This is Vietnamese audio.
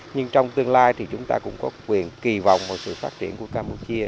nhưng trong tương lai thì chúng ta cũng có quyền kỳ vọng vào sự phát triển của campuchia